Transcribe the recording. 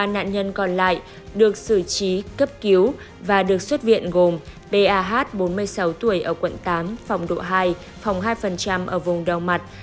ba nạn nhân còn lại được xử trí cấp cứu và được xuất viện gồm bah bốn mươi sáu tuổi ở quận tám phòng độ hai phòng hai ở vùng đầu mặt